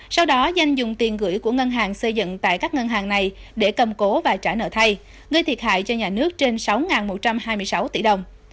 sau đó danh dùng tiền gửi của ngân hàng xây dựng tại các ngân hàng này để cầm cố và trả nợ thay gây thiệt hại cho nhà nước trên sáu một trăm hai mươi sáu tỷ đồng